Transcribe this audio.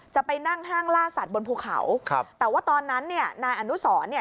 จะไปนั่งห้างล่าสัตว์บนภูเขาแต่ว่าตอนนั้นเนี่ย